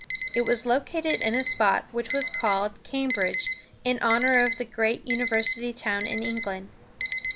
It was located in a spot which was called Cam´bridge, in honor of the great university town in England.